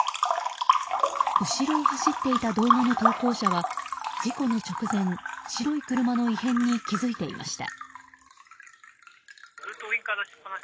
後ろを走っていた動画の投稿者は事故の直前、白い車の異変に気付いていました。